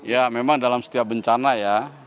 ya memang dalam setiap bencana ya